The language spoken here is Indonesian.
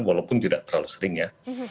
walaupun tidak terlalu sering ya